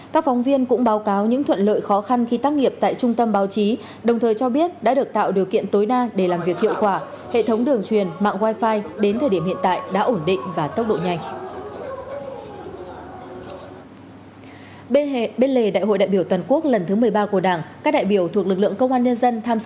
các phóng viên cũng báo cáo những thuận lợi khó khăn khi tác nghiệp tại trung tâm báo chí đồng thời cho biết đã được tạo điều kiện tối đa để làm việc hiệu quả hệ thống đường truyền mạng wifi đến thời điểm hiện tại đã ổn định và tốc độ nhanh